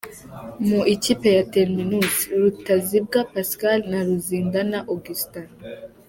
Mu ikipe ya Terminus : Rutazibwa Pascal na Ruzindana Augustin.